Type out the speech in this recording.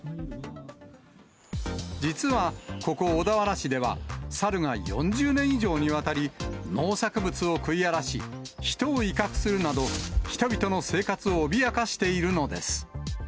実はここ、小田原市では、サルが４０年以上にわたり、農作物を食い荒らし、人を威嚇するなど、人々の生活を脅かしているのです。